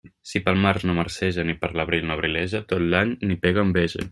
Si pel març no marceja ni per l'abril no abrileja, tot l'any n'hi pega enveja.